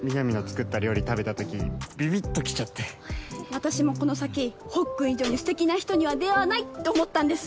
私もこの先ほっくん以上にすてきな人には出会わないって思ったんです。